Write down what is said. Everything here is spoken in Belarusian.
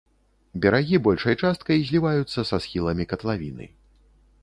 Берагі большай часткай зліваюцца са схіламі катлавіны.